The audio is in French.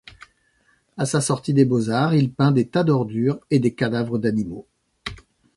À sa sortie des Beaux-Arts, il peint des tas d'ordures et des cadavres d'animaux.